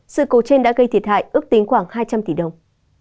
sự cố trên đã gây thiệt hại ước tính khoảng hai trăm linh tỷ đồng